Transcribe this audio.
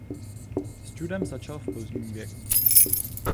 S judem začal v pozdním věku.